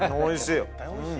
おいしい